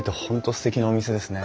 すてきなお店ですね。